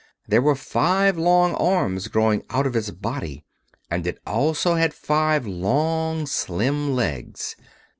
There were five long arms growing out of its body, and it also had five long, slim legs.